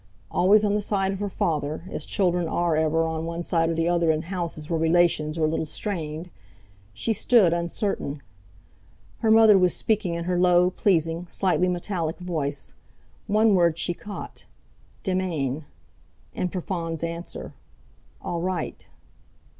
Always on the side of her Father—as children are ever on one side or the other in houses where relations are a little strained—she stood, uncertain. Her mother was speaking in her low, pleasing, slightly metallic voice—one word she caught: "Demain." And Profond's answer: "All right."